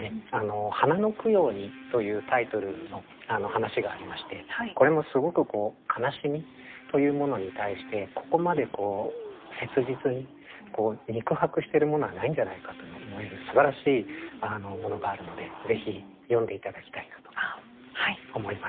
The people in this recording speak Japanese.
「花の供養に」というタイトルの話がありましてこれもすごくこう悲しみというものに対してここまで切実に肉薄してるものはないんじゃないかと思えるすばらしいものがあるのでぜひ読んで頂きたいなと思います。